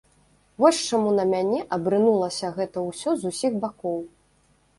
Вось чаму на мяне абрынулася гэта ўсё з усіх бакоў.